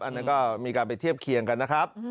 อันนั้นก็มีการไปเทียบเคียงกันนะครับ